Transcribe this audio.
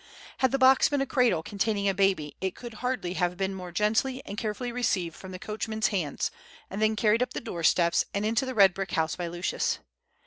Had the box been a cradle containing a baby, it could hardly have been more gently and carefully received from the coachman's hands, and then carried up the door steps and into the red brick house by Lucius.